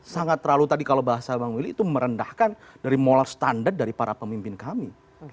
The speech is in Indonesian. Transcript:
sangat terlalu tadi kalau bahasa bang willy itu merendahkan dari mola standar dari para pemimpin kami